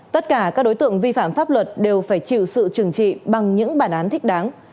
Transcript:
tất cả các đối tượng vi phạm pháp luật đều phải chịu sự trừng trị bằng những bản án thích đáng